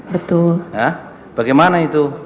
betul bagaimana itu